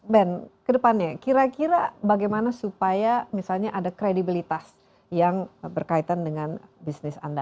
ben kedepannya kira kira bagaimana supaya misalnya ada kredibilitas yang berkaitan dengan bisnis anda